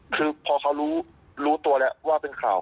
คือพอเขารู้ตัวแล้วว่าเป็นข่าว